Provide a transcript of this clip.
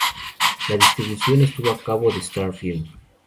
La distribución estuvo a cargo de Star Film.